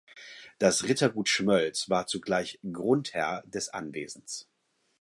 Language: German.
Das Rittergut Schmölz war zugleich Grundherr des Anwesens.